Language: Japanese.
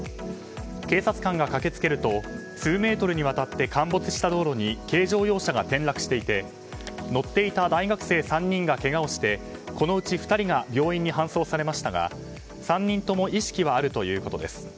警察官が駆け付けると数メートルにわたって陥没した道路に軽乗用車が転落していて乗っていた大学生３人がけがをしてこのうち２人が病院に搬送されましたが３人とも意識はあるということです。